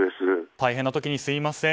大変な時にすみません。